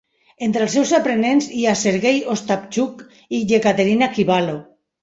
Entre els seus aprenents hi ha Sergey Ostapchuk i Yekaterina Kibalo.